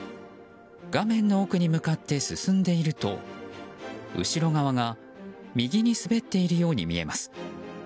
画面の奥に向かって進んでいると後ろ側が右に滑っているように見えます。